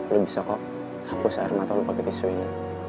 lo bisa kok hapus air mata lo pake tisu ini